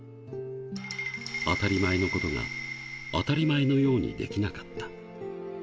当たり前のことが、当たり前のようにできなかった。